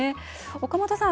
岡本さん